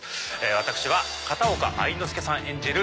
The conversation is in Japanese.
私は片岡愛之助さん演じる